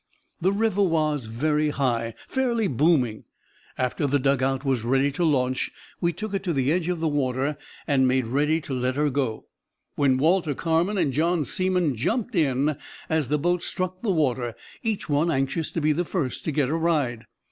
The river was very high, fairly 'booming.' After the dug out was ready to launch we took it to the edge of the water, and made ready to 'let her go,' when Walter Carman and John Seamon jumped in as the boat struck the water, each one anxious to be the first to get a ride.